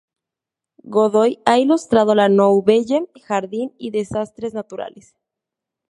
Godoy ha ilustrado la "nouvelle" "Jardín" y "Desastres naturales".